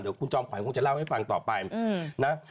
เดี๋ยวคุณจอมขวัญคงจะเล่าให้ฟังต่อไปนะ